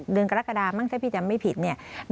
เรื่องกรกฎาบ้างถ้าพี่จำไม่ผิดเนี่ย